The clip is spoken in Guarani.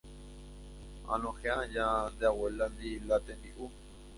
anohẽ aja nde abuéla-ndi la tembi'u.